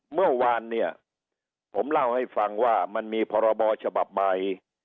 เมื่อวานเนี่ยผมเล่าให้ฟังว่ามันมีพรบฉบับใหม่